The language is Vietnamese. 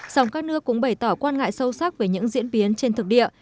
song các nước cũng bày tỏ quan ngại sâu sắc về những diễn biến trên thực địa